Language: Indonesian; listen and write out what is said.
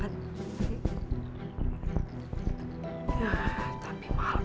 apaimu kogroksi b suluk terima kasih amu